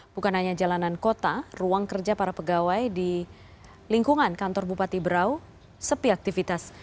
bukan hanya jalanan kota ruang kerja para pegawai di lingkungan kantor bupati berau sepi aktivitas